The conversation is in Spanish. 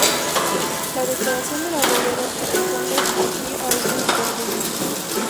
La decoración de la bóveda corresponde a Pío Augusto Verdú.